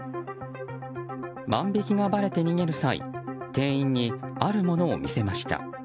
万引きがばれて逃げる際店員にあるものを見せました。